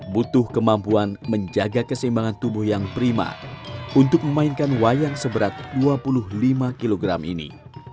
butuh kemampuan menjaga keseimbangan tubuh yang prima untuk memainkan wayang seberat dua puluh lima kg ini